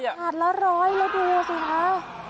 บาทละร้อยแล้วดูสิคะ